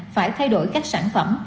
phải thay đổi các sản phẩm